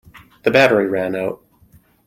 The battery ran out.